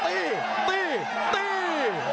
ตีตีตี